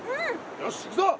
よし行くぞ！